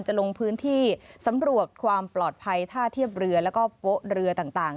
ลงพื้นที่สำรวจความปลอดภัยท่าเทียบเรือแล้วก็โป๊ะเรือต่าง